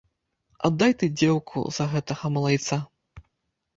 Аддай ты дзеўку за гэтага малайца.